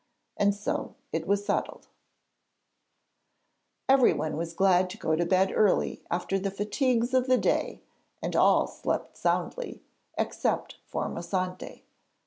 And so it was settled. Everyone was glad to go to bed early after the fatigues of the day, and all slept soundly, except Formosante.